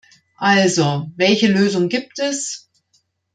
Also, welche Lösung gibt es?